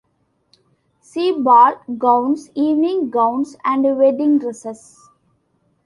See ball gowns, evening gowns, and wedding dresses.